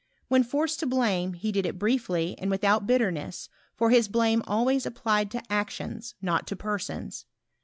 When fioorced to blame, he did it briefly, and without bit terness, for his blame always applied to actions,. act to persons.